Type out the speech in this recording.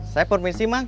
saya permisi mang